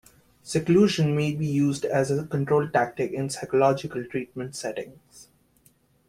Seclusion may be used as a control tactic in psychological treatment settings.